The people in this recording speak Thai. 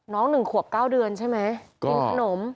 น้อง๑ขวบ๙เดือนใช่ไหม